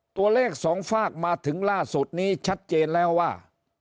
ตัวเลขสองฝากมาถึงล่าสุดนี้ชัดเจนแล้วว่า